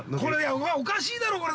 ◆おかしいだろ、これ。